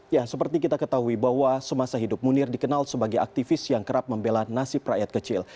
ya seperti kita ketahui bahwa semasa hidup munir dikenal sebagai aktivis yang kerap membela nasib rakyat kecil